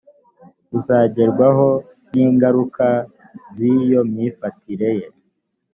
uzagerwaho n ingaruka z iyo myifatire ye